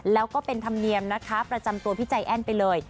แล้วก็เป็นธรรมเนียมนะคะประจำตัวพี่ใจแอ้นไปเลย